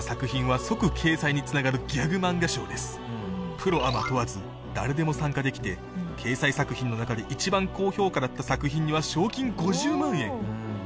「プロアマ問わず誰でも参加できて掲載作品の中で一番高評価だった作品には賞金５０万円！！」